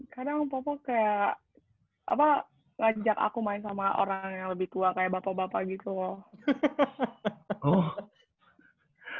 kadang papa kayak apa ngajak aku main sama orang yang lebih tua kayak bapak bapak gitu loh